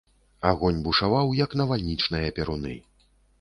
Агонь бушаваў, як навальнічныя перуны.